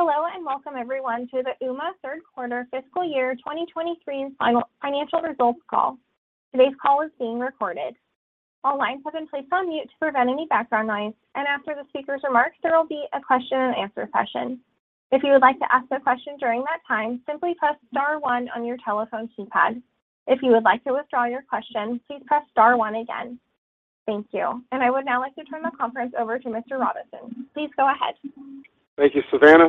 Hello, welcome everyone to the Ooma Third Quarter fiscal year 2023 Final Financial Results Call. Today's call is being recorded. All lines have been placed on mute to prevent any background noise, and after the speaker's remarks, there will be a question and answer session. If you would like to ask a question during that time, simply press star one on your telephone keypad. If you would like to withdraw your question, please press star one again. Thank you. I would now like to turn the conference over to Mr. Robison. Please go ahead. Thank you, Savannah.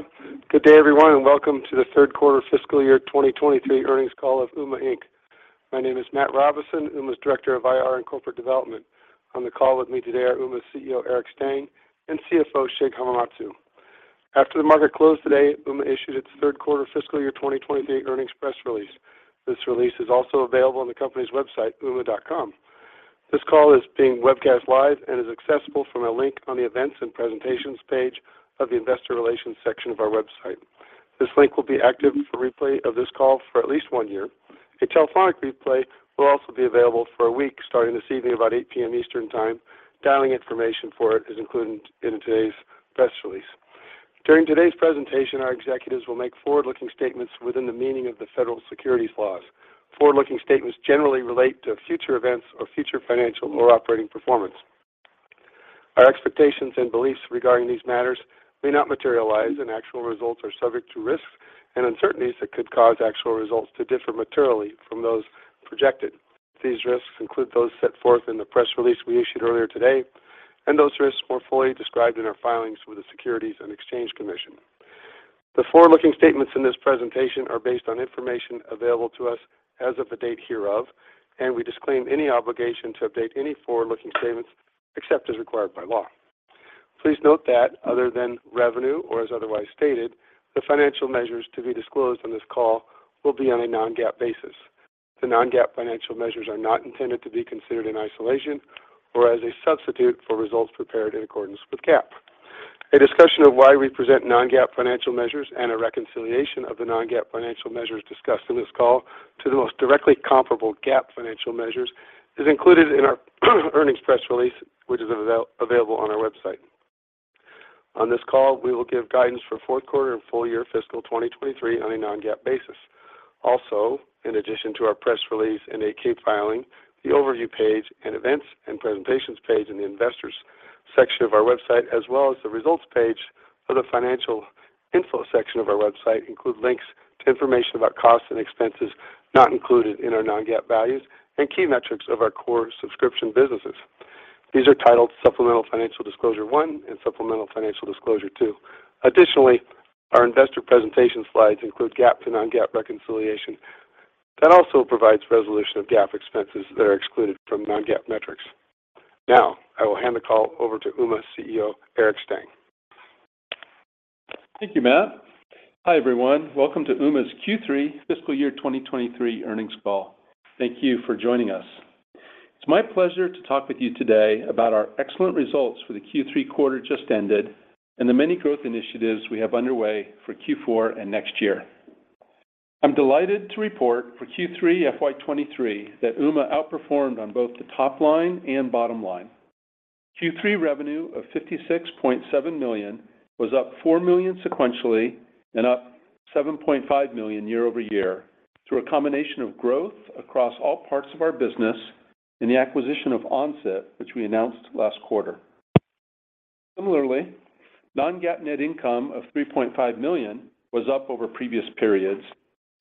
Good day, everyone, welcome to the Third Quarter fiscal year 2023 Earnings Call of Ooma, Inc.. My name is Matt Robison, Ooma's Director of IR and Corporate Development. On the call with me today are Ooma's CEO, Eric Stang; and CFO, Shig Hamamatsu. After the market closed today, Ooma issued its third quarter fiscal year 2023 earnings press release. This release is also available on the company's website, ooma.com. This call is being webcast live and is accessible from a link on the Events and Presentations page of the Investor Relations section of our website. This link will be active for replay of this call for at least one year. A telephonic replay will also be available for a week starting this evening about 8:00 P.M. Eastern Time. Dialing information for it is included in today's press release. During today's presentation, our executives will make forward-looking statements within the meaning of the federal securities laws. Forward-looking statements generally relate to future events or future financial or operating performance. Our expectations and beliefs regarding these matters may not materialize, and actual results are subject to risks and uncertainties that could cause actual results to differ materially from those projected. These risks include those set forth in the press release we issued earlier today, and those risks more fully described in our filings with the Securities and Exchange Commission. The forward-looking statements in this presentation are based on information available to us as of the date hereof, and we disclaim any obligation to update any forward-looking statements except as required by law. Please note that other than revenue or as otherwise stated, the financial measures to be disclosed on this call will be on a non-GAAP basis. The non-GAAP financial measures are not intended to be considered in isolation or as a substitute for results prepared in accordance with GAAP. A discussion of why we present non-GAAP financial measures and a reconciliation of the non-GAAP financial measures discussed in this call to the most directly comparable GAAP financial measures is included in our earnings press release, which is available on our website. On this call, we will give guidance for fourth quarter and full year fiscal 2023 on a non-GAAP basis. In addition to our press release and 8-K filing, the Overview page and Events and Presentations page in the Investors section of our website, as well as the Results page for the Financial Info section of our website include links to information about costs and expenses not included in our non-GAAP values and key metrics of our core subscription businesses. These are titled Supplemental financial disclosure 1 and Supplemental financial disclosure 2. Our investor presentation slides include GAAP to non-GAAP reconciliation. That also provides resolution of GAAP expenses that are excluded from non-GAAP metrics. Now I will hand the call over to Ooma CEO, Eric Stang. Thank you, Matt. Hi, everyone. Welcome to Ooma's Q3 fiscal year 2023 Earnings Call. Thank you for joining us. It's my pleasure to talk with you today about our excellent results for the Q3 quarter just ended and the many growth initiatives we have underway for Q4 and next year. I'm delighted to report for Q3 FY 2023 that Ooma outperformed on both the top line and bottom line. Q3 revenue of $56.7 million was up $4 million sequentially and up $7.5 million year-over-year through a combination of growth across all parts of our business and the acquisition of OnSIP, which we announced last quarter. Similarly, non-GAAP net income of $3.5 million was up over previous periods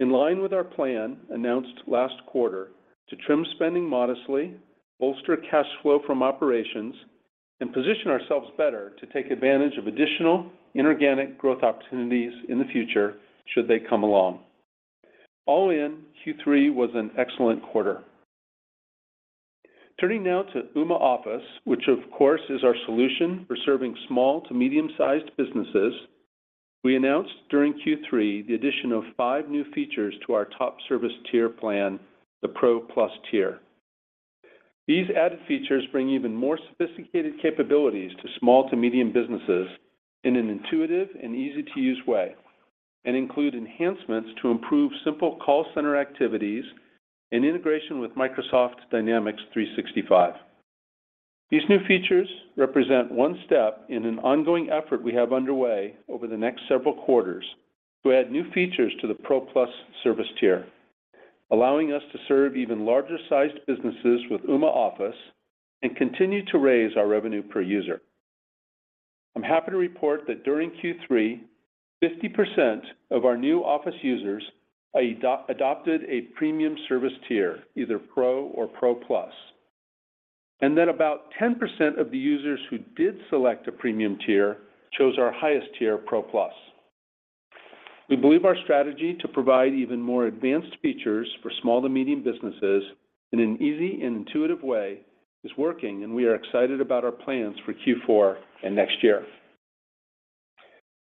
in line with our plan announced last quarter to trim spending modestly, bolster cash flow from operations, and position ourselves better to take advantage of additional inorganic growth opportunities in the future should they come along. All in, Q3 was an excellent quarter. Turning now to Ooma Office, which of course is our solution for serving small to medium-sized businesses. We announced during Q3 the addition of five new features to our top service tier plan, the Pro Plus tier. These added features bring even more sophisticated capabilities to small to medium businesses in an intuitive and easy-to-use way and include enhancements to improve simple call center activities and integration with Microsoft Dynamics 365. These new features represent one step in an ongoing effort we have underway over the next several quarters to add new features to the Pro Plus service tier, allowing us to serve even larger sized businesses with Ooma Office and continue to raise our revenue per user. I'm happy to report that during Q3, 50% of our new office users adopted a premium service tier, either Pro or Pro Plus. About 10% of the users who did select a premium tier chose our highest tier, Pro Plus. We believe our strategy to provide even more advanced features for small to medium businesses in an easy and intuitive way is working, and we are excited about our plans for Q4 and next year.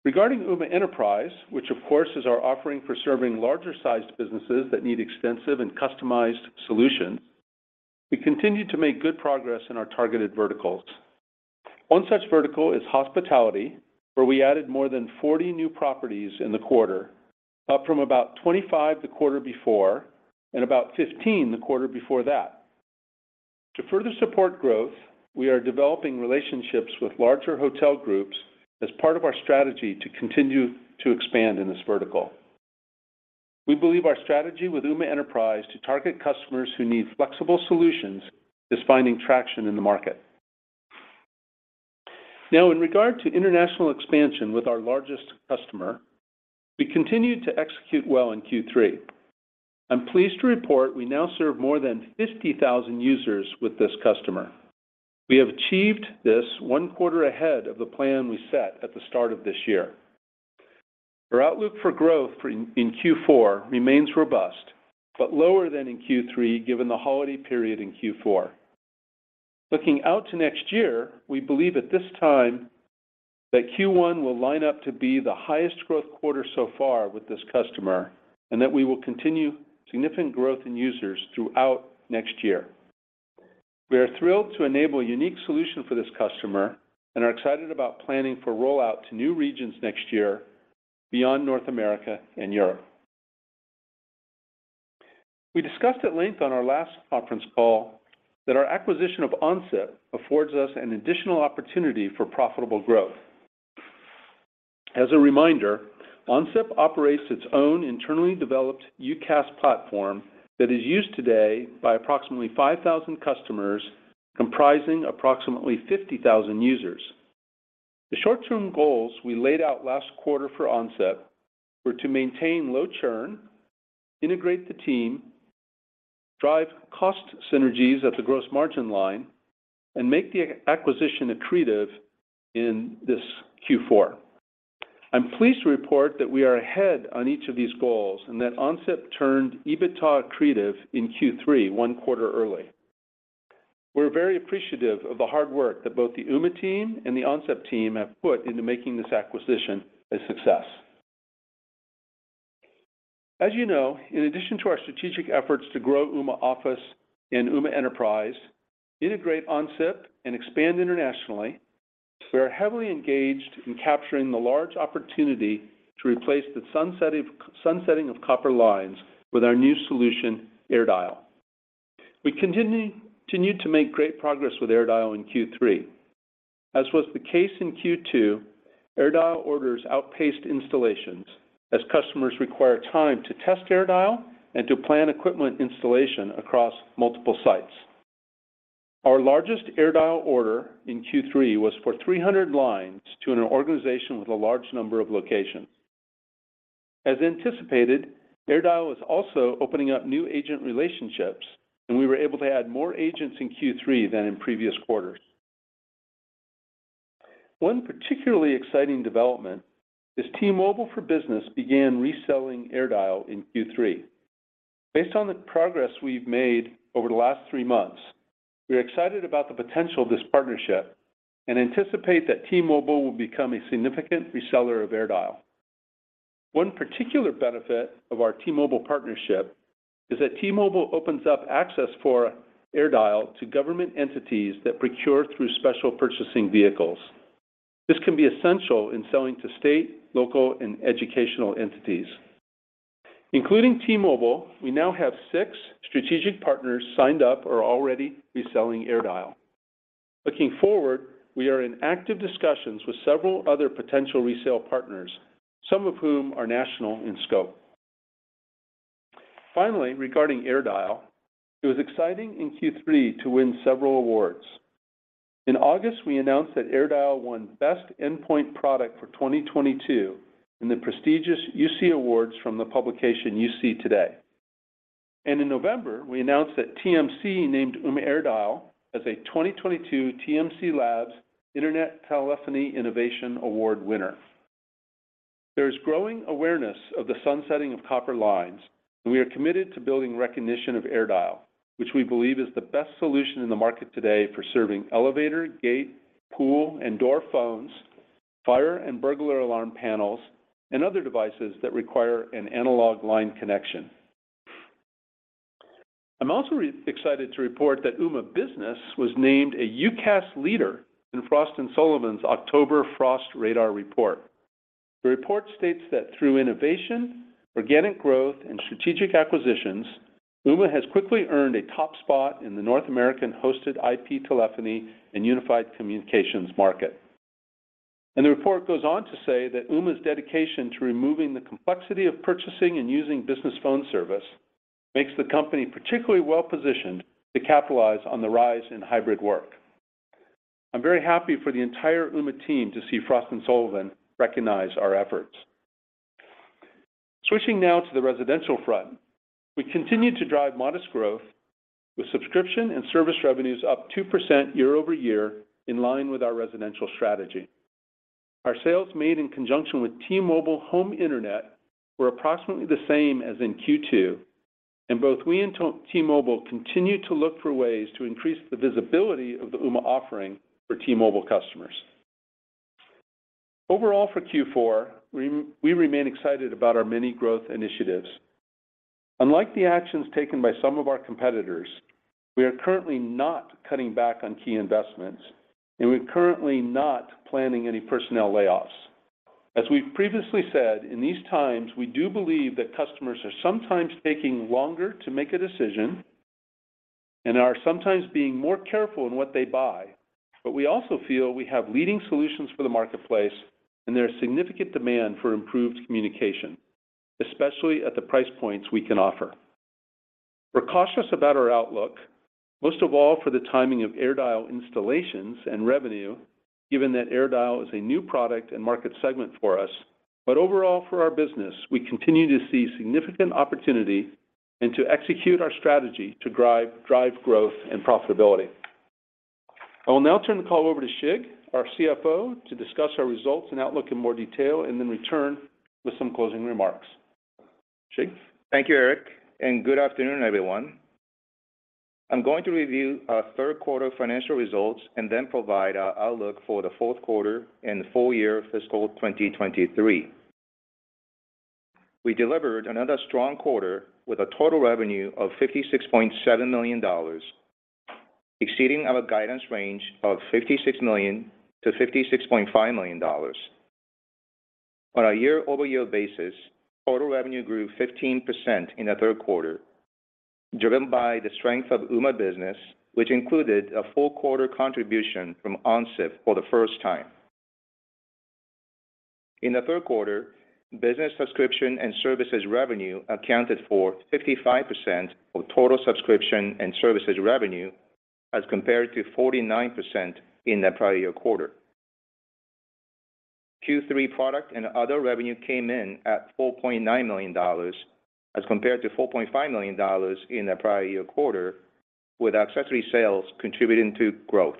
Regarding Ooma Enterprise, which of course is our offering for serving larger sized businesses that need extensive and customized solutions, we continue to make good progress in our targeted verticals. One such vertical is hospitality, where we added more than 40 new properties in the quarter, up from about 25 the quarter before and about 15 the quarter before that. To further support growth, we are developing relationships with larger hotel groups as part of our strategy to continue to expand in this vertical. We believe our strategy with Ooma Enterprise to target customers who need flexible solutions is finding traction in the market. In regard to international expansion with our largest customer, we continued to execute well in Q3. I'm pleased to report we now serve more than 50,000 users with this customer. We have achieved this one quarter ahead of the plan we set at the start of this year. Our outlook for growth in Q4 remains robust, but lower than in Q3, given the holiday period in Q4. Looking out to next year, we believe at this time that Q1 will line up to be the highest growth quarter so far with this customer and that we will continue significant growth in users throughout next year. We are thrilled to enable a unique solution for this customer and are excited about planning for rollout to new regions next year beyond North America and Europe. We discussed at length on our last conference call that our acquisition of OnSIP affords us an additional opportunity for profitable growth. As a reminder, OnSIP operates its own internally developed UCaaS platform that is used today by approximately 5,000 customers, comprising approximately 50,000 users. The short-term goals we laid out last quarter for OnSIP were to maintain low churn, integrate the team, drive cost synergies at the gross margin line, and make the acquisition accretive in this Q4. I'm pleased to report that we are ahead on each of these goals, and that OnSIP turned EBITDA accretive in Q3, one quarter early. We're very appreciative of the hard work that both the Ooma team and the OnSIP team have put into making this acquisition a success. As you know, in addition to our strategic efforts to grow Ooma Office and Ooma Enterprise, integrate OnSIP, and expand internationally, we are heavily engaged in capturing the large opportunity to replace the sunsetting of copper lines with our new solution, AirDial. We continued to make great progress with AirDial in Q3. As was the case in Q2, AirDial orders outpaced installations as customers require time to test AirDial and to plan equipment installation across multiple sites. Our largest AirDial order in Q3 was for 300 lines to an organization with a large number of locations. As anticipated, AirDial is also opening up new agent relationships. We were able to add more agents in Q3 than in previous quarters. One particularly exciting development is T-Mobile for Business began reselling AirDial in Q3. Based on the progress we've made over the last three months, we're excited about the potential of this partnership and anticipate that T-Mobile will become a significant reseller of AirDial. One particular benefit of our T-Mobile partnership is that T-Mobile opens up access for AirDial to government entities that procure through special purchasing vehicles. This can be essential in selling to state, local, and educational entities. Including T-Mobile, we now have six strategic partners signed up or already reselling AirDial. Looking forward, we are in active discussions with several other potential resale partners, some of whom are national in scope. Regarding AirDial, it was exciting in Q3 to win several awards. In August, we announced that AirDial won Best Endpoint Product for 2022 in the prestigious UC Awards from the publication UC Today. In November, we announced that TMC named Ooma AirDial as a 2022 TMC Labs Internet Telephony Innovation Award winner. There is growing awareness of the sunsetting of copper lines, and we are committed to building recognition of AirDial, which we believe is the best solution in the market today for serving elevator, gate, pool, and door phones, fire and burglar alarm panels, and other devices that require an analog line connection. I'm also re-excited to report that Ooma Business was named a UCaaS leader in Frost & Sullivan's October Frost Radar Report. The report states that through innovation, organic growth, and strategic acquisitions, Ooma has quickly earned a top spot in the North American hosted IP telephony and unified communications market. The report goes on to say that Ooma's dedication to removing the complexity of purchasing and using business phone service makes the company particularly well-positioned to capitalize on the rise in hybrid work. I'm very happy for the entire Ooma team to see Frost & Sullivan recognize our efforts. Switching now to the residential front. We continue to drive modest growth with subscription and service revenues up 2% year-over-year in line with our residential strategy. Our sales made in conjunction with T-Mobile home internet were approximately the same as in Q2, and both we and T-Mobile continue to look for ways to increase the visibility of the Ooma offering for T-Mobile customers. Overall for Q4, we remain excited about our many growth initiatives. Unlike the actions taken by some of our competitors, we are currently not cutting back on key investments, and we're currently not planning any personnel layoffs. As we've previously said, in these times, we do believe that customers are sometimes taking longer to make a decision and are sometimes being more careful in what they buy. We also feel we have leading solutions for the marketplace. There's significant demand for improved communication, especially at the price points we can offer. We're cautious about our outlook, most of all for the timing of AirDial installations and revenue, given that AirDial is a new product and market segment for us. Overall for our business, we continue to see significant opportunity and to execute our strategy to drive growth and profitability. I will now turn the call over to Shig, our CFO, to discuss our results and outlook in more detail. Return with some closing remarks. Shig? Thank you, Eric. Good afternoon, everyone. I'm going to review our third quarter financial results, then provide our outlook for the fourth quarter and the full year fiscal 2023. We delivered another strong quarter with a total revenue of $56.7 million, exceeding our guidance range of $56 million-$56.5 million. On a year-over-year basis, total revenue grew 15% in the third quarter, driven by the strength of Ooma Business, which included a full quarter contribution from OnSIP for the first time. In the third quarter, business subscription and services revenue accounted for 55% of total subscription and services revenue as compared to 49% in the prior year quarter. Q3 product and other revenue came in at $4.9 million as compared to $4.5 million in the prior-year quarter, with accessory sales contributing to growth.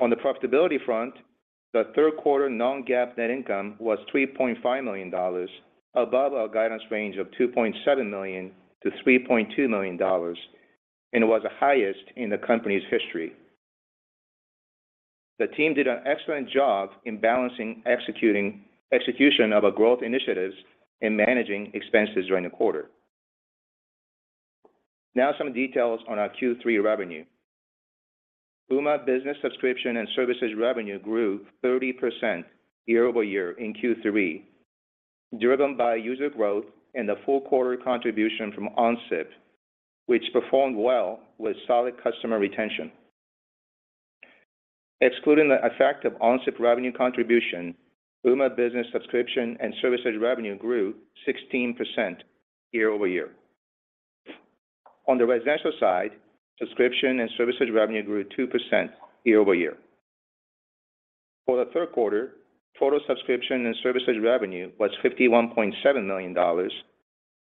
On the profitability front, the third quarter non-GAAP net income was $3.5 million above our guidance range of $2.7 million-$3.2 million. It was the highest in the company's history. The team did an excellent job in balancing execution of our growth initiatives and managing expenses during the quarter. Some details on our Q3 revenue. Ooma Business subscription and services revenue grew 30% year-over-year in Q3, driven by user growth and the full quarter contribution from OnSIP, which performed well with solid customer retention. Excluding the effect of OnSIP revenue contribution, Ooma Business subscription and services revenue grew 16% year-over-year. On the residential side, subscription and services revenue grew 2% year-over-year. For the third quarter, total subscription and services revenue was $51.7 million,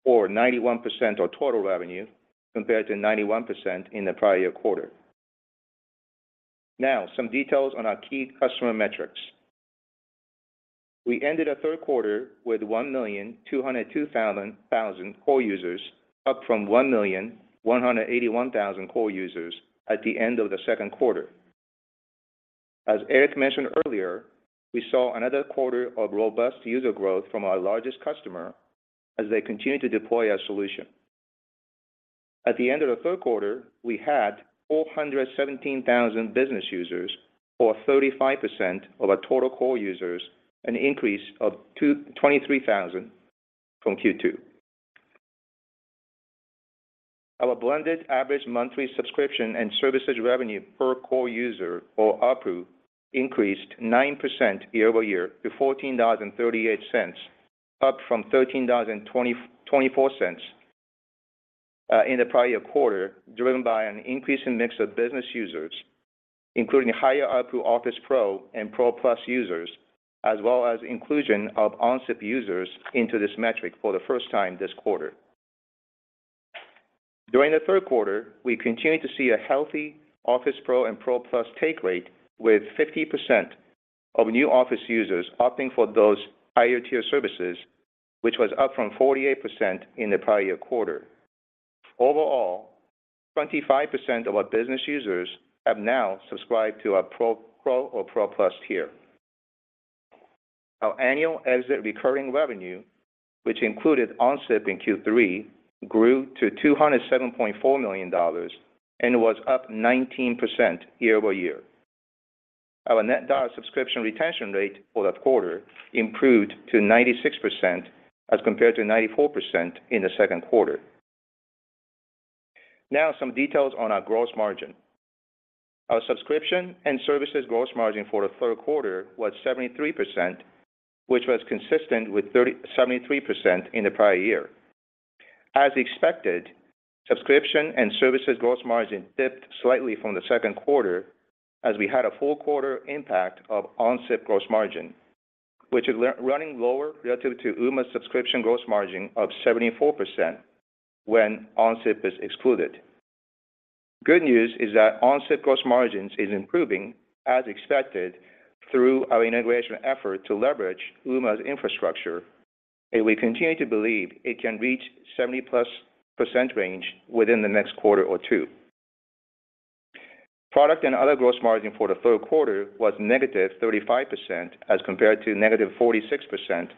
or 91% of total revenue, compared to 91% in the prior year quarter. Some details on our key customer metrics. We ended the third quarter with 1,202,000 core users, up from 1,181,000 core users at the end of the second quarter. As Eric mentioned earlier, we saw another quarter of robust user growth from our largest customer as they continue to deploy our solution. At the end of the third quarter, we had 417,000 business users, or 35% of our total core users, an increase of 23,000 from Q2. Our blended average monthly subscription and services revenue per core user, or ARPU, increased 9% year-over-year to $14.38, up from $13.24 in the prior year quarter, driven by an increase in mix of business users, including higher ARPU Office Pro and ProPlus users, as well as inclusion of OnSIP users into this metric for the first time this quarter. During the third quarter, we continued to see a healthy Office Pro and ProPlus take rate with 50% of new Office users opting for those higher-tier services, which was up from 48% in the prior year quarter. Overall, 25% of our business users have now subscribed to our Pro or ProPlus tier. Our annual exit recurring revenue, which included OnSIP in Q3, grew to $207.4 million and was up 19% year-over-year. Our net dollar subscription retention rate for the quarter improved to 96% as compared to 94% in the second quarter. Some details on our gross margin. Our subscription and services gross margin for the third quarter was 73%, which was consistent with 73% in the prior year. As expected, subscription and services gross margin dipped slightly from the second quarter as we had a full quarter impact of OnSIP gross margin, which is running lower relative to Ooma's subscription gross margin of 74% when OnSIP is excluded. Good news is that OnSIP gross margins is improving as expected through our integration effort to leverage Ooma's infrastructure, and we continue to believe it can reach 70%+ range within the next one or two quarters. Product and other gross margin for the third quarter was -35% as compared to -46%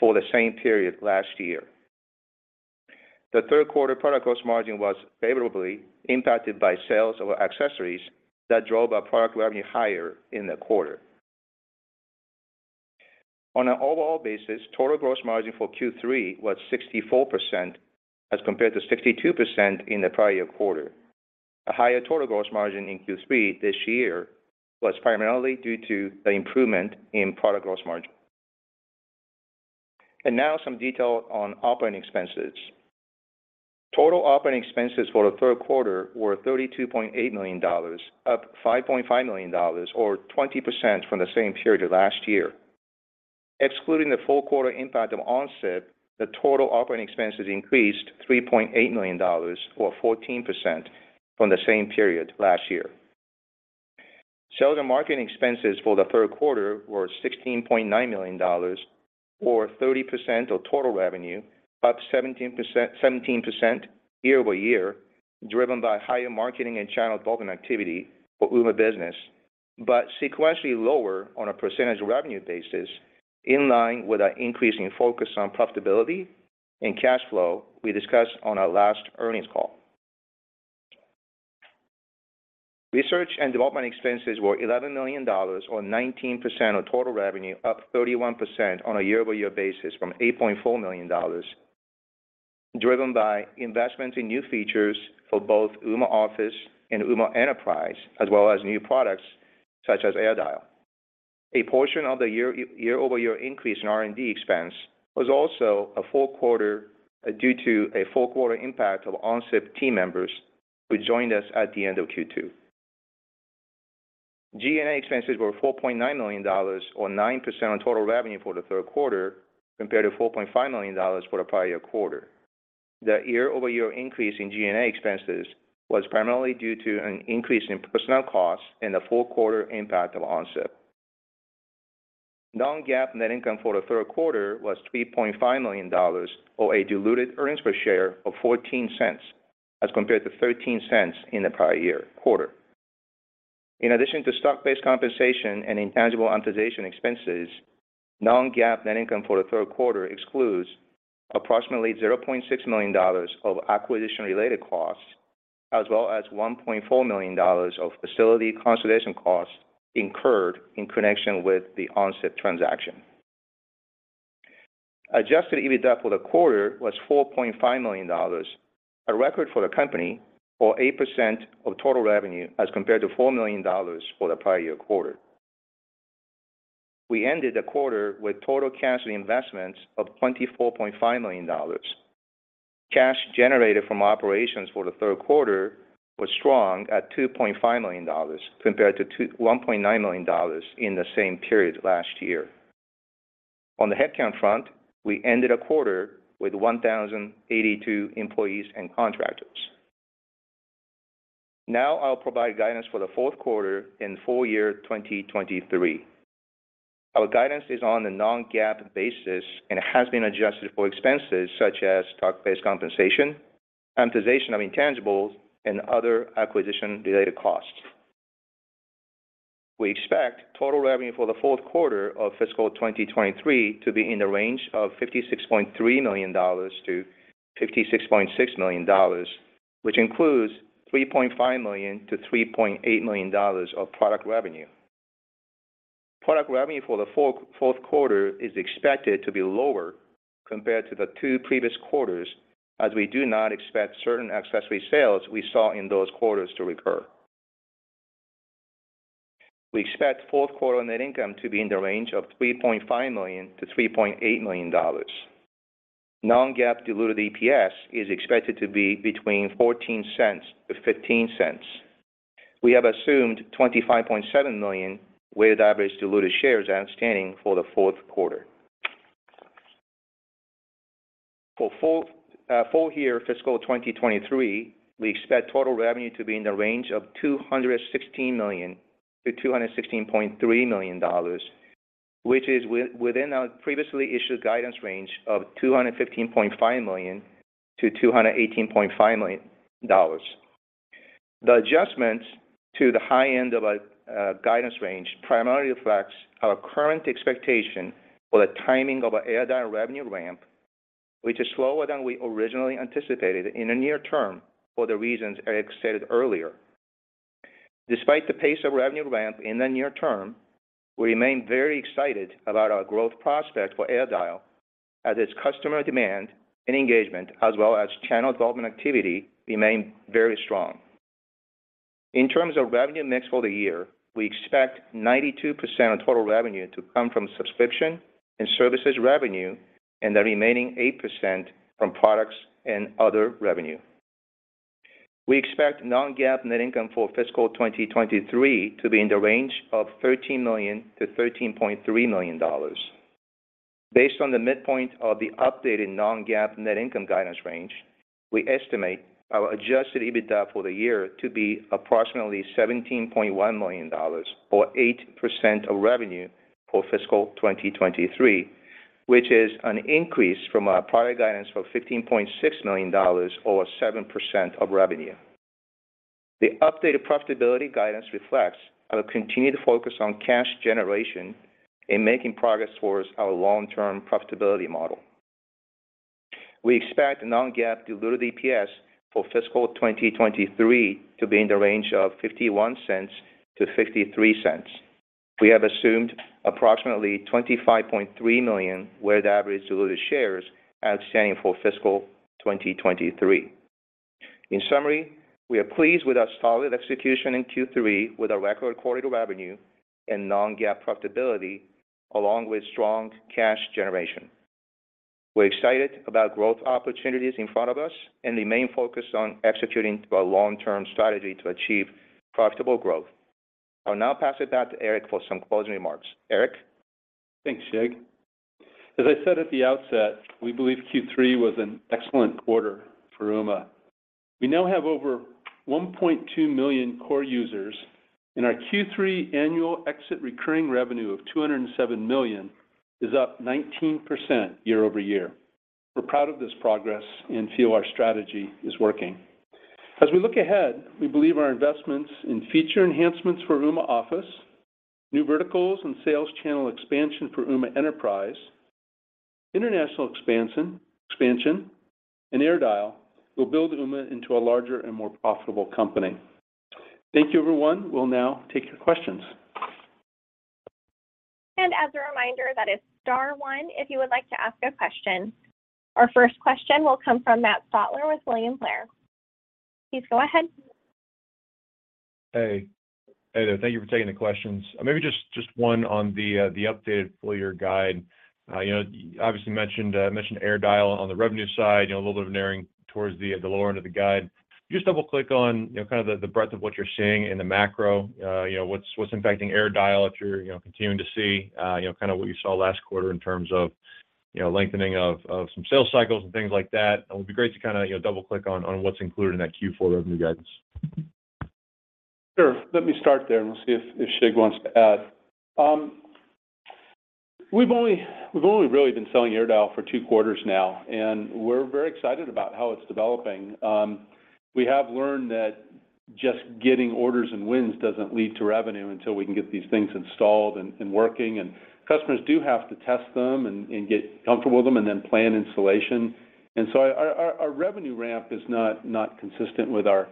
for the same period last year. The third quarter product cost margin was favorably impacted by sales of accessories that drove our product revenue higher in the quarter. On an overall basis, total gross margin for Q3 was 64% as compared to 62% in the prior-year quarter. A higher total gross margin in Q3 this year was primarily due to the improvement in product gross margin. Now some detail on operating expenses. Total operating expenses for the third quarter were $32.8 million, up $5.5 million or 20% from the same period last year. Excluding the full quarter impact of OnSIP, the total operating expenses increased $3.8 million or 14% from the same period last year. Sales and marketing expenses for the third quarter were $16.9 million, or 30% of total revenue, up 17% year-over-year, driven by higher marketing and channel development activity for Ooma Business. Sequentially lower on a percentage revenue basis, in line with our increasing focus on profitability and cash flow we discussed on our last earnings call. Research and development expenses were $11 million, or 19% of total revenue, up 31% on a year-over-year basis from $8.4 million, driven by investments in new features for both Ooma Office and Ooma Enterprise, as well as new products such as AirDial. A portion of the year-over-year increase in R&D expense was also due to a full quarter impact of OnSIP team members who joined us at the end of Q2. G&A expenses were $4.9 million or 9% of total revenue for the third quarter, compared to $4.5 million for the prior year quarter. The year-over-year increase in G&A expenses was primarily due to an increase in personnel costs and the full quarter impact of OnSIP. Non-GAAP net income for the third quarter was $3.5 million, or a diluted earnings per share of $0.14, as compared to $0.13 in the prior year quarter. In addition to stock-based compensation and intangible amortization expenses, non-GAAP net income for the third quarter excludes approximately $0.6 million of acquisition-related costs, as well as $1.4 million of facility consolidation costs incurred in connection with the OnSIP transaction. Adjusted EBITDA for the quarter was $4.5 million, a record for the company or 8% of total revenue, as compared to $4 million for the prior year quarter. We ended the quarter with total cash and investments of $24.5 million. Cash generated from operations for the third quarter was strong at $2.5 million, compared to $1.9 million in the same period last year. On the headcount front, we ended the quarter with 1,082 employees and contractors. Now I'll provide guidance for the fourth quarter and full year 2023. Our guidance is on a non-GAAP basis and has been adjusted for expenses such as stock-based compensation, amortization of intangibles, and other acquisition-related costs. We expect total revenue for the fourth quarter of fiscal 2023 to be in the range of $56.3 million-$56.6 million, which includes $3.5 million-$3.8 million of product revenue. Product revenue for the fourth quarter is expected to be lower compared to the two previous quarters as we do not expect certain accessory sales we saw in those quarters to recur. We expect fourth quarter net income to be in the range of $3.5 million-$3.8 million. Non-GAAP diluted EPS is expected to be between $0.14-$0.15. We have assumed 25.7 million weighted average diluted shares outstanding for the fourth quarter. For full year fiscal 2023, we expect total revenue to be in the range of $216 million-$216.3 million, which is within our previously issued guidance range of $215.5 million-$218.5 million. The adjustments to the high end of our guidance range primarily reflects our current expectation for the timing of our AirDial revenue ramp, which is slower than we originally anticipated in the near term for the reasons I stated earlier. Despite the pace of revenue ramp in the near term, we remain very excited about our growth prospect for Ooma AirDial as its customer demand and engagement, as well as channel development activity remain very strong. In terms of revenue mix for the year, we expect 92% of total revenue to come from subscription and services revenue and the remaining 8% from products and other revenue. We expect non-GAAP net income for fiscal 2023 to be in the range of $13 million-$13.3 million. Based on the midpoint of the updated non-GAAP net income guidance range, we estimate our adjusted EBITDA for the year to be approximately $17.1 million or 8% of revenue for fiscal 2023, which is an increase from our prior guidance of $15.6 million or 7% of revenue. The updated profitability guidance reflects our continued focus on cash generation and making progress towards our long-term profitability model. We expect non-GAAP diluted EPS for fiscal 2023 to be in the range of $0.51-$0.53. We have assumed approximately 25.3 million weighted average diluted shares outstanding for fiscal 2023. In summary, we are pleased with our solid execution in Q3 with our record quarter of revenue and non-GAAP profitability along with strong cash generation. We're excited about growth opportunities in front of us and the main focus on executing our long-term strategy to achieve profitable growth. I'll now pass it back to Eric for some closing remarks. Eric? Thanks, Shig. As I said at the outset, we believe Q3 was an excellent quarter for Ooma. We now have over 1.2 million core users, and our Q3 annual exit recurring revenue of $207 million is up 19% year-over-year. We're proud of this progress and feel our strategy is working. As we look ahead, we believe our investments in feature enhancements for Ooma Office, new verticals and sales channel expansion for Ooma Enterprise, international expansion, and AirDial will build Ooma into a larger and more profitable company. Thank you, everyone. We'll now take your questions. As a reminder, that is star one if you would like to ask a question. Our first question will come from Matt Stotler with William Blair. Please go ahead. Hey there. Thank you for taking the questions. Maybe just one on the updated full year guide. You know, you obviously mentioned AirDial on the revenue side, you know, a little bit of narrowing towards the lower end of the guide. Can you just double-click on, you know, kind of the breadth of what you're seeing in the macro? You know, what's impacting AirDial if you're, you know, continuing to see, you know, kind of what you saw last quarter in terms of, you know, lengthening of some sales cycles and things like that. It would be great to kind of, you know, double-click on what's included in that Q4 revenue guidance. Sure. Let me start there, and we'll see if Shig wants to add. We've only really been selling AirDial for two quarters now, and we're very excited about how it's developing. We have learned that just getting orders and wins doesn't lead to revenue until we can get these things installed and working. Customers do have to test them and get comfortable with them and then plan installation. Our revenue ramp is not consistent with our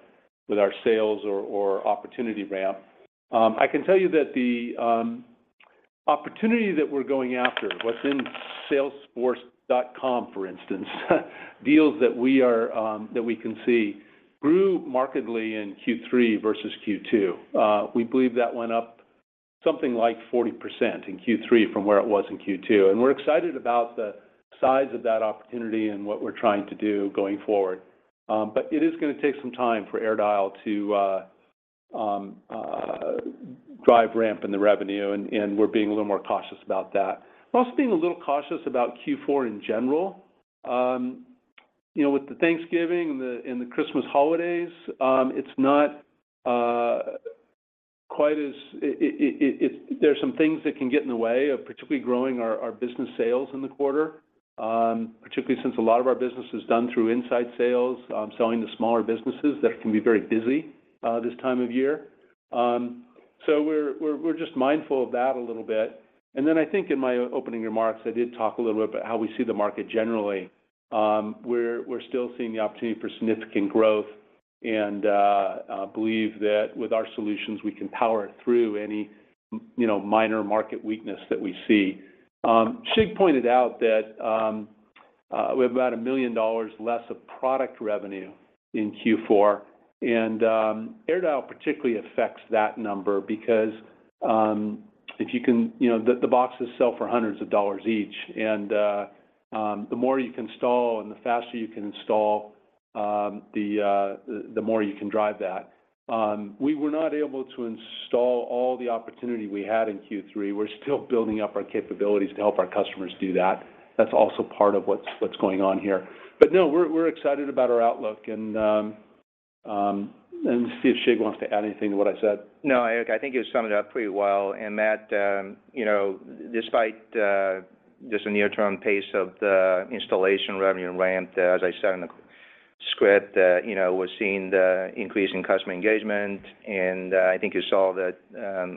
sales or opportunity ramp. I can tell you that the opportunity that we're going after, what's in salesforce.com, for instance, deals that we are that we can see grew markedly in Q3 versus Q2. We believe that went up something like 40% in Q3 from where it was in Q2. We're excited about the size of that opportunity and what we're trying to do going forward. It is gonna take some time for AirDial to drive ramp in the revenue, and we're being a little more cautious about that. We're also being a little cautious about Q4 in general. You know, with the Thanksgiving and the Christmas holidays, there are some things that can get in the way of particularly growing our business sales in the quarter, particularly since a lot of our business is done through inside sales, selling to smaller businesses that can be very busy this time of year. We're just mindful of that a little bit. I think in my opening remarks, I did talk a little bit about how we see the market generally. We're still seeing the opportunity for significant growth and believe that with our solutions, we can power through any, you know, minor market weakness that we see. Shig pointed out that we have about $1 million less of product revenue in Q4, and AirDial particularly affects that number because. You know, the boxes sell for hundreds of dollars each, and the more you can install and the faster you can install, the more you can drive that. We were not able to install all the opportunity we had in Q3. We're still building up our capabilities to help our customers do that. That's also part of what's going on here. No, we're excited about our outlook and see if Shig wants to add anything to what I said. No, Eric, I think you summed it up pretty well. Matt, you know, despite just the near-term pace of the installation revenue ramp, as I said in the script, you know, we're seeing the increase in customer engagement, and I think you saw that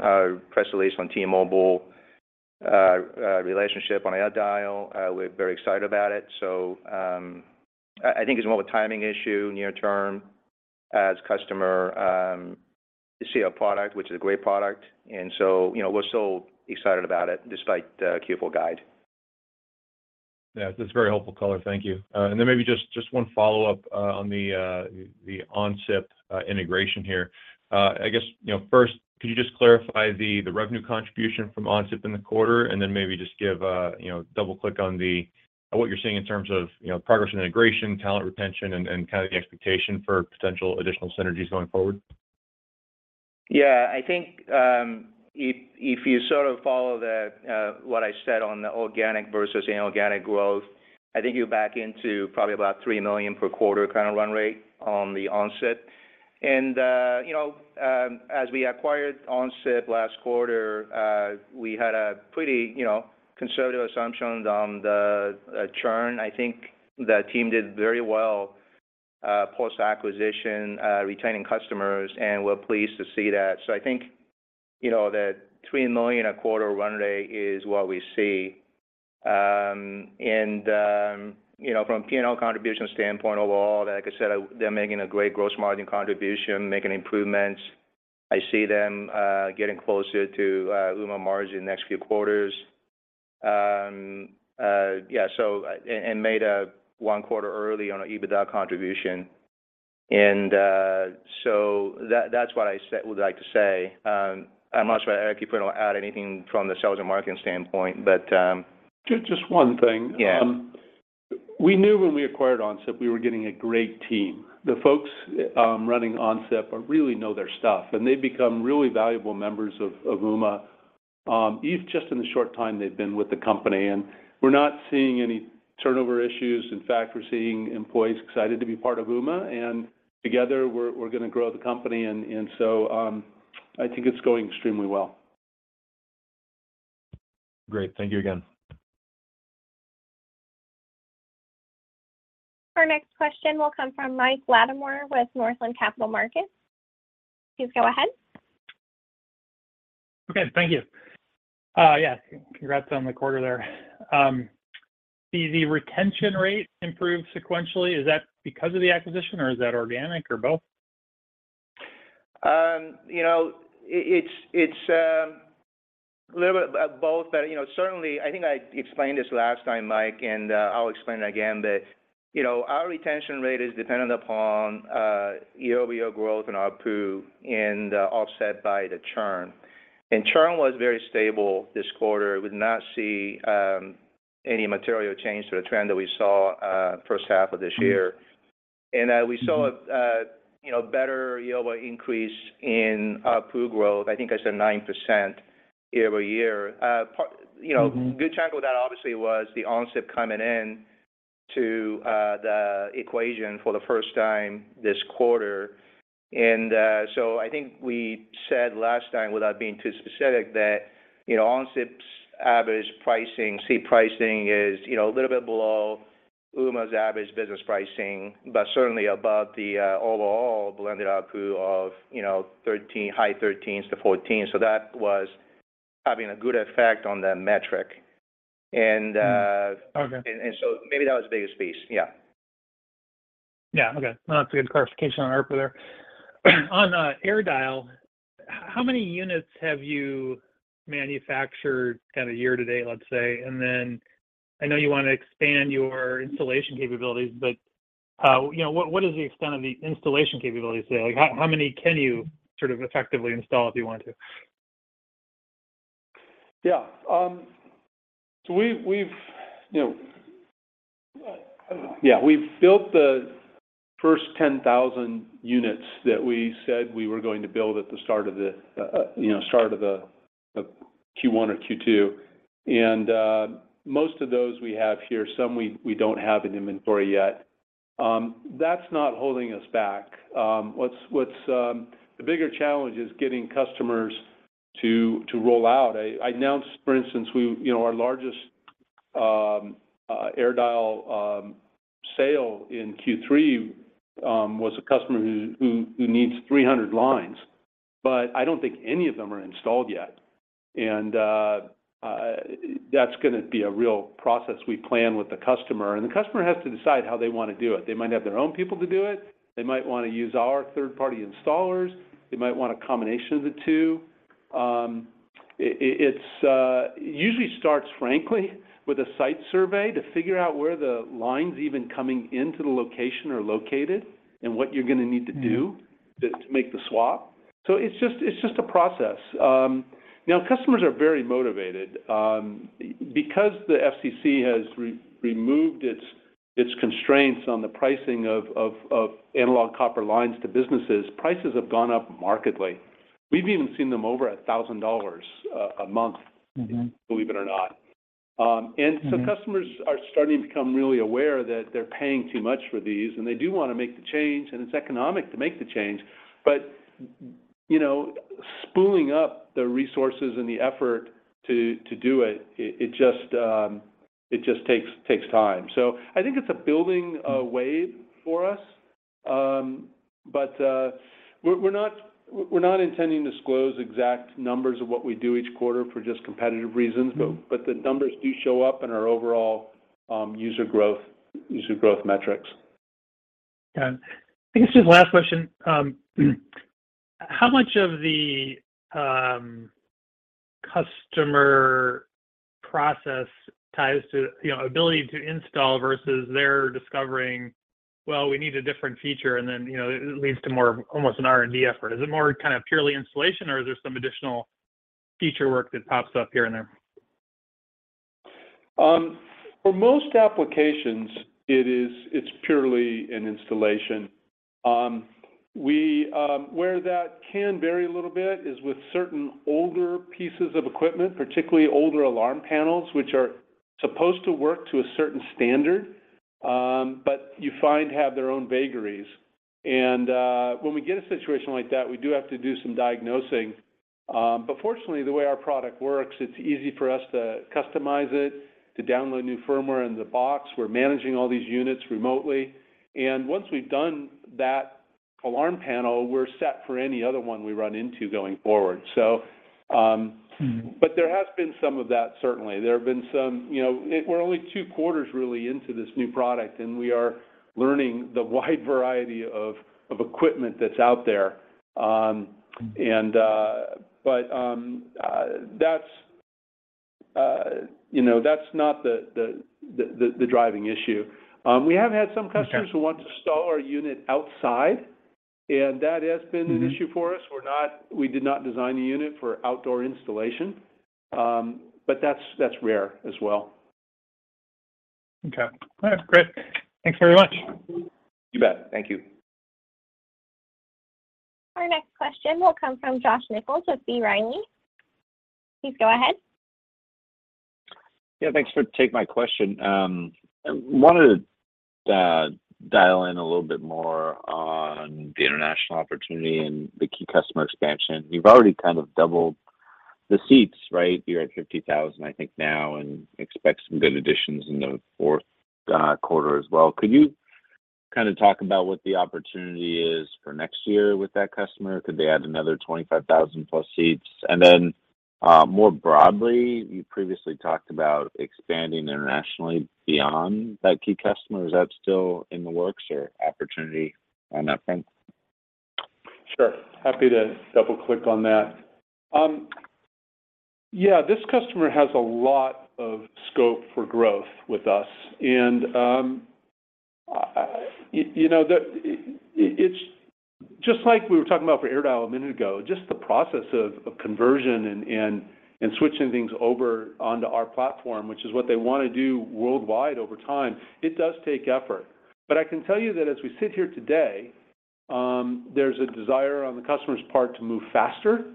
our press release on T-Mobile relationship on AirDial. We're very excited about it. I think it's more of a timing issue near term as customer see our product, which is a great product. You know, we're still excited about it despite the Q4 guide. Yeah. That's a very helpful color. Thank you. Then maybe just one follow-up on the OnSIP integration here. I guess, you know, first, could you just clarify the revenue contribution from OnSIP in the quarter? Then maybe just give a, you know, double-click on what you're seeing in terms of, you know, progress and integration, talent retention, and kind of the expectation for potential additional synergies going forward. I think, if you sort of follow the what I said on the organic versus inorganic growth, I think you back into probably about $3 million per quarter kind of run rate on the OnSIP. You know, as we acquired OnSIP last quarter, we had a pretty, you know, conservative assumptions on the churn. I think the team did very well post-acquisition, retaining customers, and we're pleased to see that. You know, the $3 million a quarter run rate is what we see. You know, from P&L contribution standpoint overall, like I said, they're making a great gross margin contribution, making improvements. I see them getting closer to Ooma margin next few quarters. And made a one quarter early on an EBITDA contribution. That's what I would like to say. I'm not sure Eric, if you want to add anything from the sales and marketing standpoint. Just one thing. Yeah. We knew when we acquired OnSIP, we were getting a great team. The folks running OnSIP really know their stuff, and they've become really valuable members of Ooma just in the short time they've been with the company. We're not seeing any turnover issues. In fact, we're seeing employees excited to be part of Ooma, and together we're gonna grow the company and so I think it's going extremely well. Great. Thank you again. Our next question will come from Michael Latimore with Northland Capital Markets. Please go ahead. Okay, thank you. Yes, congrats on the quarter there. See the retention rate improved sequentially. Is that because of the acquisition or is that organic or both? You know, it's a little bit of both, but, you know, certainly, I think I explained this last time, Mike, and I'll explain it again, that, you know, our retention rate is dependent upon year-over-year growth in ARPU and offset by the churn. Churn was very stable this quarter. We did not see any material change to the trend that we saw first half of this year. Mm-hmm. We saw a, you know, better year-over-year increase in ARPU growth. I think I said 9% year-over-year. Mm-hmm A good chunk of that obviously was the OnSIP coming in to the equation for the first time this quarter. I think we said last time, without being too specific, that, you know, OnSIP's average pricing, seat pricing is, you know, a little bit below Ooma's average business pricing, but certainly above the overall blended ARPU of, you know, $13, high $13s to $14. That was having a good effect on the metric. And Mm-hmm. Okay. Maybe that was the biggest piece. Yeah. Yeah. Okay. No, that's a good clarification on ARPU there. On AirDial, how many units have you manufactured kind of year to date, let's say? Then I know you want to expand your installation capabilities, but, you know, what is the extent of the installation capabilities today? Like, how many can you sort of effectively install if you want to? Yeah. We've, you know, Yeah, we've built the first 10,000 units that we said we were going to build at the start of the, you know, start of the Q1 or Q2. Most of those we have here, some we don't have in inventory yet. That's not holding us back. The bigger challenge is getting customers to roll out. I announced, for instance, we, you know, our largest AirDial sale in Q3 was a customer who needs 300 lines, but I don't think any of them are installed yet. That's gonna be a real process we plan with the customer, the customer has to decide how they wanna do it. They might have their own people to do it. They might wanna use our third-party installers. They might want a combination of the two. It's, usually starts, frankly, with a site survey to figure out where the lines even coming into the location are located and what you're gonna need to do- Mm-hmm To make the swap. It's just a process. Customers are very motivated. The FCC has removed its constraints on the pricing of analog copper lines to businesses, prices have gone up markedly. We've even seen them over $1,000 a month. Mm-hmm Believe it or not. Mm-hmm Customers are starting to become really aware that they're paying too much for these, and they do wanna make the change, and it's economic to make the change. You know, spooling up the resources and the effort to do it just takes time. I think it's a building wave for us. We're not intending to disclose exact numbers of what we do each quarter for just competitive reasons. Mm-hmm But the numbers do show up in our overall, user growth metrics. Yeah. I guess just last question. How much of the, customer process ties to, you know, ability to install versus they're discovering, "Well, we need a different feature," and then, you know, it leads to more of almost an R&D effort? Is it more kind of purely installation, or is there some additional feature work that pops up here and there? For most applications, it is, it's purely an installation. We, where that can vary a little bit is with certain older pieces of equipment, particularly older alarm panels, which are supposed to work to a certain standard, but you find have their own vagaries. When we get a situation like that, we do have to do some diagnosing. But fortunately, the way our product works, it's easy for us to customize it, to download new firmware in the box. We're managing all these units remotely. Once we've done that, we're set for any other one we run into going forward. Mm-hmm There has been some of that, certainly. There have been some. You know, we're only 2 quarters really into this new product, and we are learning the wide variety of equipment that's out there. That's, you know, that's not the driving issue. We have had some customers. Okay Who want to install our unit outside, and that has been- Mm-hmm An issue for us. We did not design the unit for outdoor installation. That's rare as well. Okay. All right. Great. Thanks very much. You bet. Thank you. Our next question will come from Josh Nichols with B. Riley. Please go ahead. Yeah, thanks for taking my question. I wanted to dial in a little bit more on the international opportunity and the key customer expansion. You've already kind of doubled the seats, right? You're at 50,000, I think, now and expect some good additions in the fourth quarter as well. Could you kinda talk about what the opportunity is for next year with that customer? Could they add another 25,000 plus seats? More broadly, you previously talked about expanding internationally beyond that key customer. Is that still in the works or opportunity on that front? Sure. Happy to double-click on that. Yeah, this customer has a lot of scope for growth with us. You know, it's just like we were talking about for Ooma AirDial a minute ago, just the process of conversion and switching things over onto our platform, which is what they wanna do worldwide over time. It does take effort. I can tell you that as we sit here today, there's a desire on the customer's part to move faster,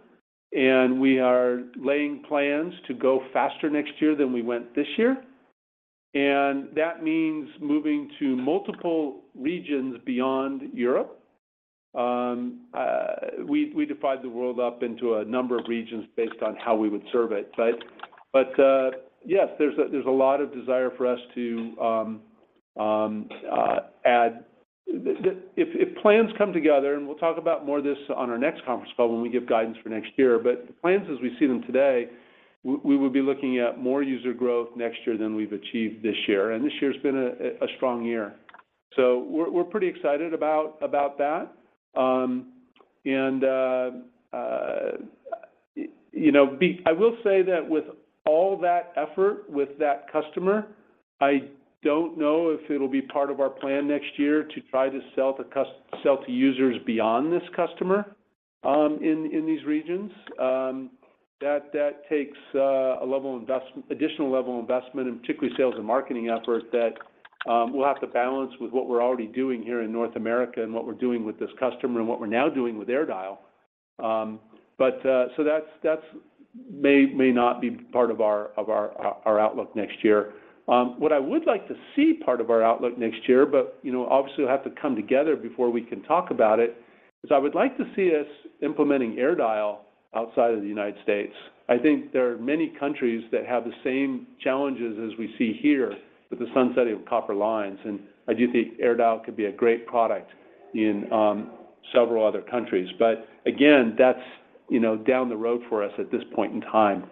and we are laying plans to go faster next year than we went this year. That means moving to multiple regions beyond Europe. We divide the world up into a number of regions based on how we would serve it. Yes, there's a lot of desire for us to add. If plans come together, and we'll talk about more of this on our next conference call when we give guidance for next year. The plans as we see them today, we will be looking at more user growth next year than we've achieved this year, and this year's been a strong year. We're pretty excited about that. You know, I will say that with all that effort with that customer, I don't know if it'll be part of our plan next year to try to sell to users beyond this customer, in these regions. That takes a level of additional level of investment, and particularly sales and marketing effort that we'll have to balance with what we're already doing here in North America and what we're doing with this customer and what we're now doing with AirDial. So that's may not be part of our outlook next year. What I would like to see part of our outlook next year, but, you know, obviously it'll have to come together before we can talk about it, is I would like to see us implementing AirDial outside of the United States. I think there are many countries that have the same challenges as we see here with the sunsetting of copper lines, and I do think AirDial could be a great product in several other countries. Again, that's, you know, down the road for us at this point in time.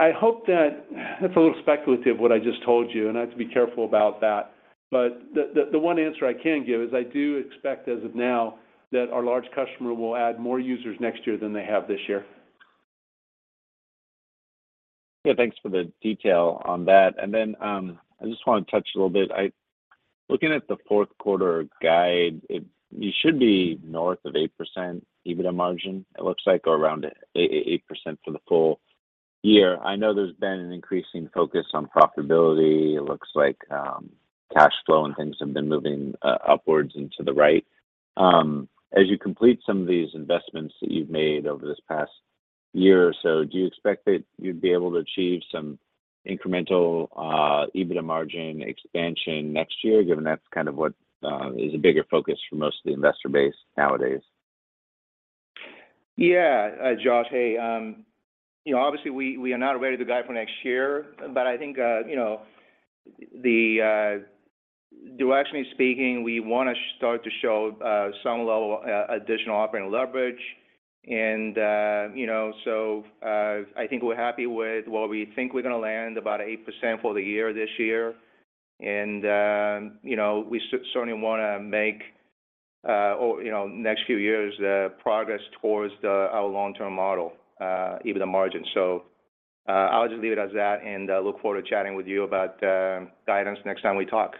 I hope that... It's a little speculative, what I just told you, and I have to be careful about that. The, the one answer I can give is I do expect as of now that our large customer will add more users next year than they have this year. Yeah, thanks for the detail on that. I just wanna touch a little bit. Looking at the fourth quarter guide, you should be north of 8% EBITDA margin, it looks like, or around 8% for the full year. I know there's been an increasing focus on profitability. It looks like, cash flow and things have been moving upwards and to the right. As you complete some of these investments that you've made over this past year or so, do you expect that you'd be able to achieve some incremental EBITDA margin expansion next year, given that's kind of what is a bigger focus for most of the investor base nowadays? Yeah, Josh. Hey, you know, obviously we are not ready to guide for next year. I think, you know, directionally speaking, we wanna start to show some level additional operating leverage and, you know. I think we're happy with what we think we're gonna land, about 8% for the year this year. You know, we certainly wanna make, or, you know, next few years, progress towards our long-term model EBITDA margins. I'll just leave it as that, and I look forward to chatting with you about guidance next time we talk.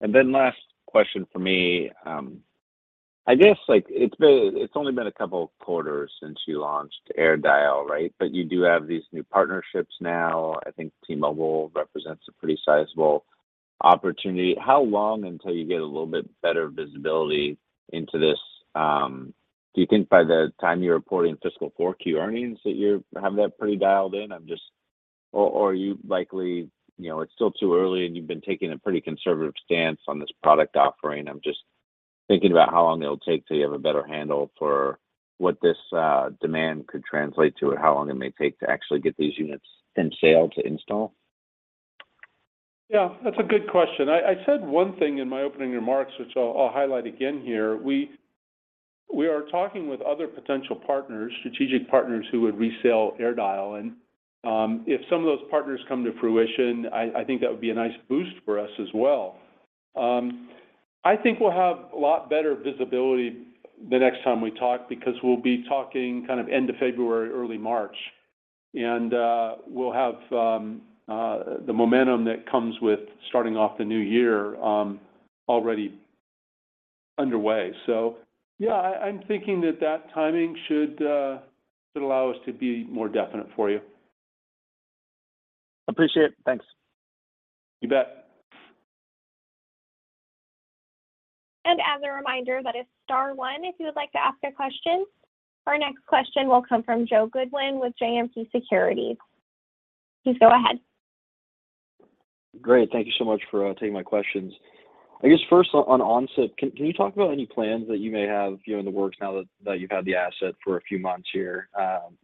Last question from me. I guess, like, it's only been a couple of quarters since you launched AirDial, right? You do have these new partnerships now. I think T-Mobile represents a pretty sizable opportunity. How long until you get a little bit better visibility into this? Do you think by the time you're reporting fiscal 4Q earnings that you're have that pretty dialed in? Or are you likely, you know, it's still too early and you've been taking a pretty conservative stance on this product offering? Thinking about how long it'll take till you have a better handle for what this demand could translate to or how long it may take to actually get these units in sale to install. Yeah, that's a good question. I said one thing in my opening remarks, which I'll highlight again here. We are talking with other potential partners, strategic partners who would resell AirDial, and if some of those partners come to fruition, I think that would be a nice boost for us as well. I think we'll have a lot better visibility the next time we talk because we'll be talking kind of end of February, early March. we'll have the momentum that comes with starting off the new year already underway. yeah, I'm thinking that that timing should allow us to be more definite for you. Appreciate it. Thanks. You bet. As a reminder, that is star one if you would like to ask a question. Our next question will come from Joe Goodwin with JMP Securities. Please go ahead. Great. Thank you so much for taking my questions. I guess first on OnSIP, can you talk about any plans that you may have, you know, in the works now that you've had the asset for a few months here,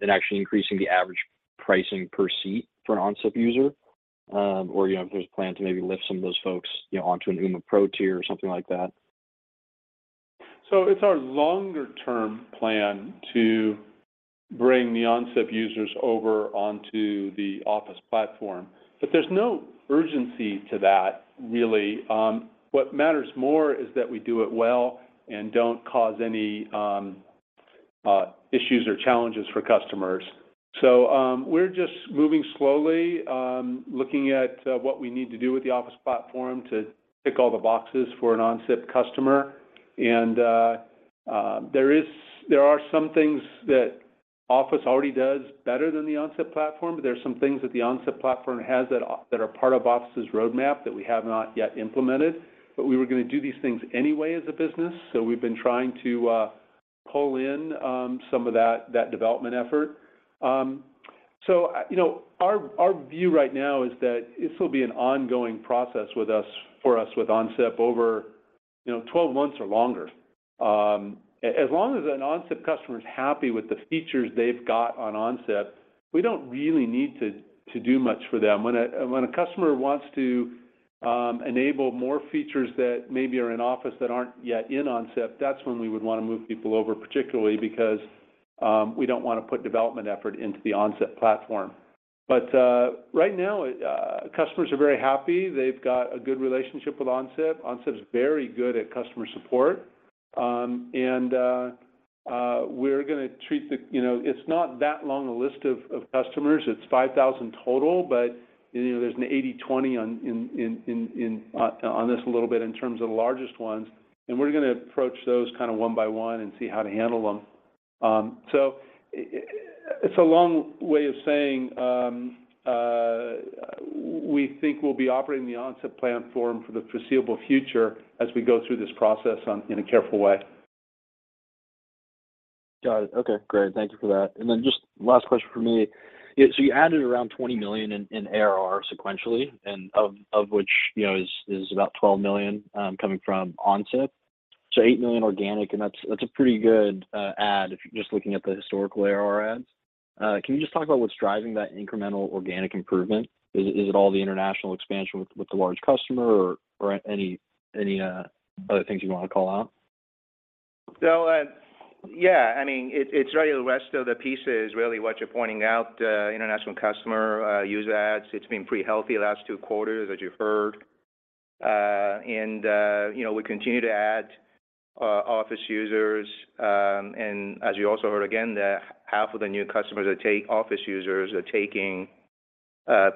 in actually increasing the average pricing per seat for an OnSIP user? You know, if there's a plan to maybe lift some of those folks, you know, onto an Ooma Pro tier or something like that. It's our longer-term plan to bring the OnSIP users over onto the Office platform. There's no urgency to that really. What matters more is that we do it well and don't cause any issues or challenges for customers. We're just moving slowly, looking at what we need to do with the Office platform to tick all the boxes for an OnSIP customer. There are some things that Office already does better than the OnSIP platform, but there are some things that the OnSIP platform has that are part of Office's roadmap that we have not yet implemented. We were gonna do these things anyway as a business, so we've been trying to pull in some of that development effort. You know, our view right now is that this will be an ongoing process for us with OnSIP over, you know, 12 months or longer. As long as an OnSIP customer is happy with the features they've got on OnSIP, we don't really need to do much for them. When a customer wants to enable more features that maybe are in Office that aren't yet in OnSIP, that's when we would wanna move people over, particularly because we don't wanna put development effort into the OnSIP platform. Right now, customers are very happy. They've got a good relationship with OnSIP. OnSIP's very good at customer support. You know, it's not that long a list of customers. It's $5,000 total, you know, there's an 80/20 on this a little bit in terms of the largest ones. We're gonna approach those kinda one by one and see how to handle them. It's a long way of saying, we think we'll be operating the OnSIP platform for the foreseeable future as we go through this process in a careful way. Got it. Okay. Great. Thank you for that. Then just last question from me. Yeah, you added around $20 million in ARR sequentially, and of which, you know, is about $12 million coming from OnSIP. $8 million organic, and that's a pretty good add if you're just looking at the historical ARR adds. Can you just talk about what's driving that incremental organic improvement? Is it all the international expansion with the large customer or any other things you wanna call out? yeah, I mean, it's really the rest of the piece is really what you're pointing out. International customer user adds, it's been pretty healthy the last two quarters, as you've heard. you know, we continue to add Office users. as you also heard again that half of the new customers that take Office users are taking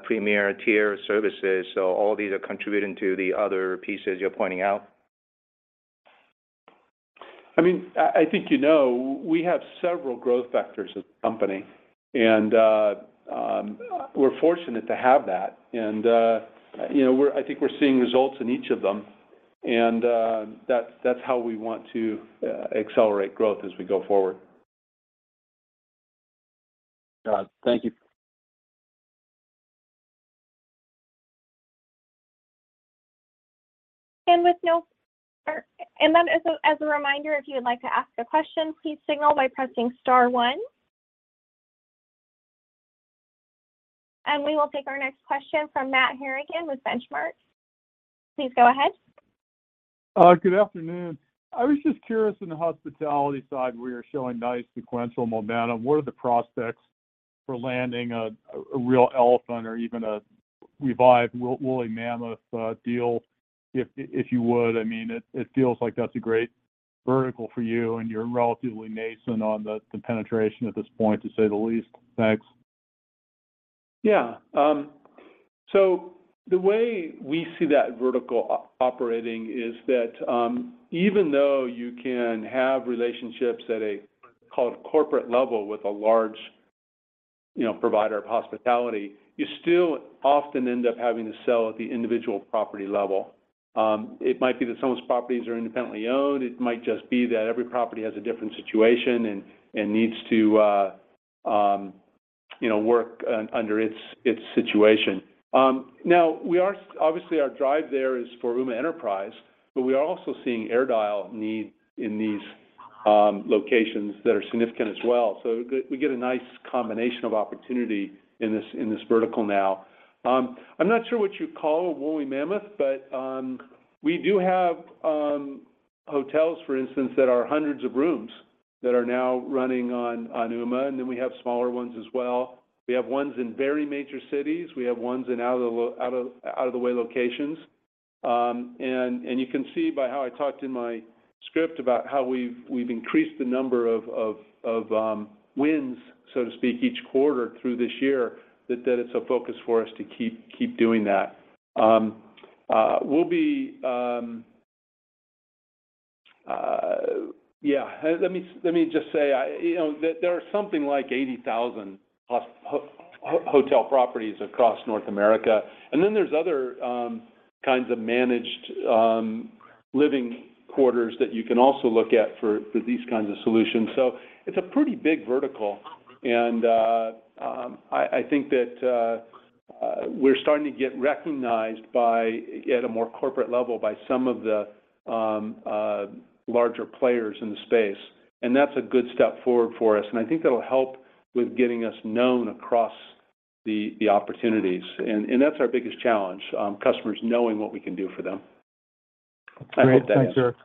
premier tier services. All these are contributing to the other pieces you're pointing out. I mean, I think you know we have several growth vectors as a company, and, we're fortunate to have that. you know, I think we're seeing results in each of them, and, that's how we want to accelerate growth as we go forward. Got it. Thank you. As a reminder, if you would like to ask a question, please signal by pressing star one. We will take our next question from Matt Harrigan with Benchmark. Please go ahead. Good afternoon. I was just curious, in the hospitality side, we are showing nice sequential momentum. What are the prospects for landing a real elephant or even a revived woolly mammoth deal, if you would? I mean, it feels like that's a great vertical for you, and you're relatively nascent on the penetration at this point, to say the least. Thanks. Yeah. The way we see that vertical operating is that, even though you can have relationships at a call it corporate level with a large, you know, provider of hospitality, you still often end up having to sell at the individual property level. It might be that someone's properties are independently owned. It might just be that every property has a different situation and needs to, you know, work under its situation. Now we are obviously our drive there is for Ooma Enterprise, but we are also seeing AirDial needs in these locations that are significant as well. We get a nice combination of opportunity in this, in this vertical now. I'm not sure what you call a woolly mammoth, but we do have hotels, for instance, that are hundreds of rooms that are now running on Ooma, and then we have smaller ones as well. We have ones in very major cities. We have ones in out of the way locations. You can see by how I talked in my script about how we've increased the number of wins, so to speak, each quarter through this year that it's a focus for us to keep doing that. we'll be yeah. Let me just say, I, you know, there are something like 80,000 hotel properties across North America. Then there's other kinds of managed living quarters that you can also look at for these kinds of solutions. It's a pretty big vertical, and I think that we're starting to get recognized by, at a more corporate level, by some of the larger players in the space. That's a good step forward for us, and I think that'll help with getting us known across the opportunities. That's our biggest challenge, customers knowing what we can do for them. Great. Thanks, Eric.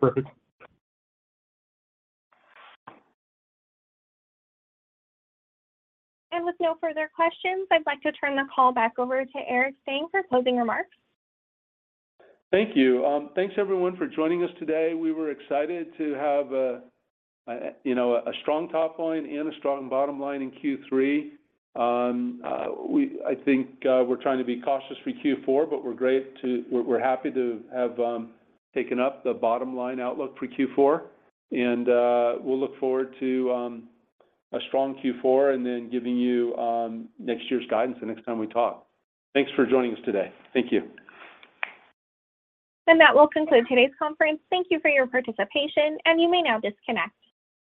Perfect. With no further questions, I'd like to turn the call back over to Eric Stang for closing remarks. Thank you. Thanks everyone for joining us today. We were excited to have a strong top line and a strong bottom line in Q3. I think we're trying to be cautious for Q4, but we're happy to have taken up the bottom line outlook for Q4. We'll look forward to a strong Q4 and then giving you next year's guidance the next time we talk. Thanks for joining us today. Thank you. That will conclude today's conference. Thank you for your participation, and you may now disconnect.